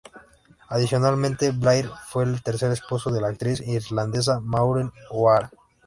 Adicionalmente, Blair fue el tercer esposo de la actriz irlandesa Maureen O'Hara.